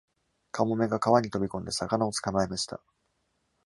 カモメが川に飛び込んで、魚を捕まえました。